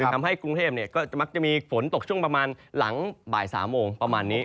ทำให้กรุงเทพก็มักจะมีฝนตกช่วงประมาณหลังบ่าย๓โมงประมาณนี้